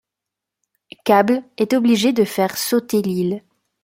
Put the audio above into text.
Cable est obligé de faire sauter l'île.